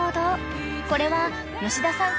［これは吉田さん